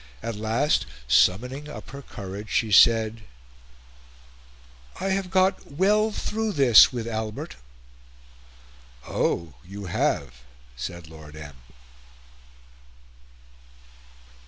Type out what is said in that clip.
At last, summoning up her courage, she said, "I have got well through this with Albert." "Oh! you have," said Lord M.